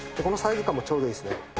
このサイズ感もちょうどいいですね。